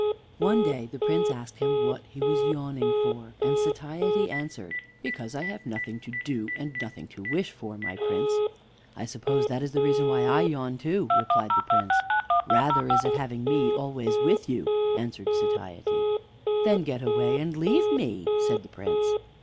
One day the Prince asked him what he was yawning for, and Satiety answered: "Because I have nothing to do, and nothing to wish for, my Prince." "I suppose that is the reason why I yawn too," replied the Prince. "Rather is it having me always with you,".answered Satiety. "Then get away and leave me," said the Prince.